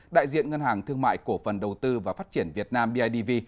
đại diện ngân hàng thương mại cổ phần đầu tư và phát triển việt nam bidv